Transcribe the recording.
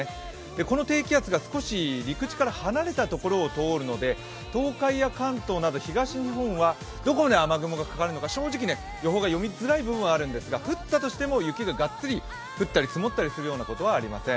この低気圧が少し陸地から離れた所を通るので東海や関東など東日本はどこまで雨雲がかかるのか正直、予報が読みづらい部分があるんですが降ったとしても、雪でがっつり降ったり積もったりすることはありません